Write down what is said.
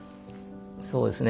そうですね